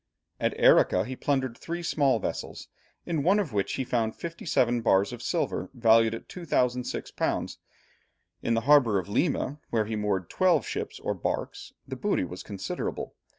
At Arica he plundered three small vessels, in one of which he found fifty seven bars of silver valued at 2006_l._ In the harbour of Lima, where were moored twelve ships or barks, the booty was considerable.